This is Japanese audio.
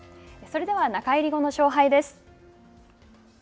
それでは、中入り後の勝敗です。